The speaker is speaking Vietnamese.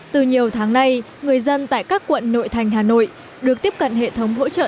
từ nhiều tháng nay người dân tại các quận nội thành hà nội được tiếp cận hệ thống hỗ trợ